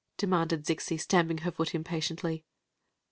dmm k d Zim stamping her foot impatiently.